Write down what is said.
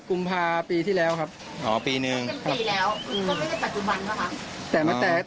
มัน๑๗กุมภาพีที่แล้วครับอ๋อปีหนึ่งปีแล้วก็ไม่ได้ปัจจุบันแล้วครับ